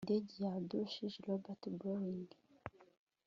Indege ya Duchess ya Robert Browning